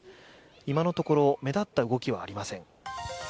今のところ、目立った動きはありません。